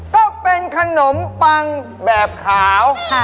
ก็เป็นขนมปังแบบขาว